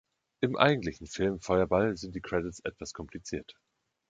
Im eigentlichen Film „Feuerball“ sind die Credits etwas kompliziert.